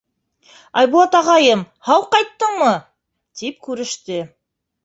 — Айбулат ағайым, һау ҡайттыңмы? — тип күреште.